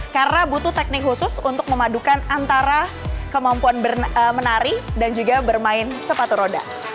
karena butuh teknik khusus untuk memadukan antara kemampuan menari dan juga bermain sepatu roda